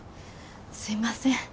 すいません。